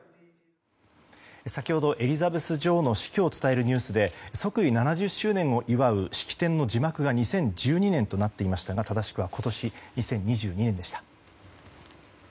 先ほど、エリザベス女王の死去を伝えるニュースで即位７０周年を祝う式典の字幕が２０１２年となっていましたが正しくは今年２０２２年でした。